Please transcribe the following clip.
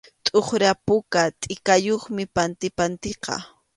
Tʼuqra puka tʼikayuqmi pantipantiqa.